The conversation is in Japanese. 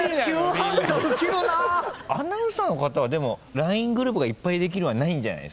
アナウンサーの方はＬＩＮＥグループがいっぱいできるはないんじゃない？